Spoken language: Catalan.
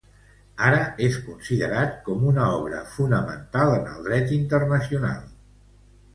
Ara, és considerat com una obra fonamental en el dret internacional.